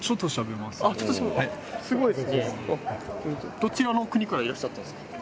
どちらの国からいらっしゃったんですか？